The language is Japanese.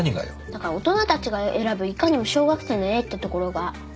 だから大人たちが選ぶいかにも小学生の絵ってところが。